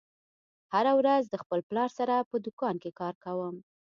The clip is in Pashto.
زه هره ورځ د خپل پلار سره په دوکان کې کار کوم